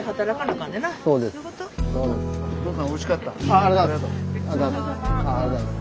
ありがとうございます。